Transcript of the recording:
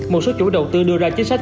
một số chủ đầu tư đưa ra chính sách